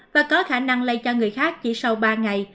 và có khả năng lây cho người khác chỉ sau ba ngày